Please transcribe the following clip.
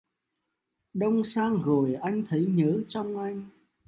Đông sang rồi anh thấy nhớ trong anh